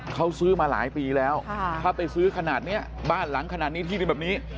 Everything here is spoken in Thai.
เขาซื้อมาหลายปีแล้วถ้าไปซื้อขนาดนี้บ้านหลังขนาดนี้ที่ดินแบบนี้